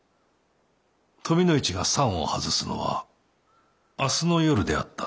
富の市が桟を外すのは明日の夜であったな。